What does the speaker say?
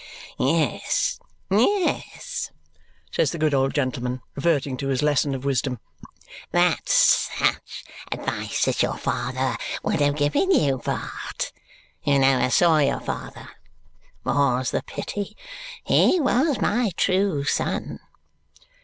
"Yes, yes," says the good old gentleman, reverting to his lesson of wisdom. "That's such advice as your father would have given you, Bart. You never saw your father. More's the pity. He was my true son."